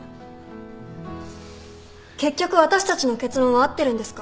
結局私たちの結論は合ってるんですか？